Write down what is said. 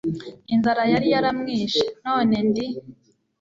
inzara yari yaramwishe, none ndi